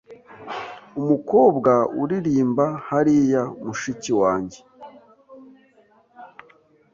Umukobwa uririmba hariya mushiki wanjye.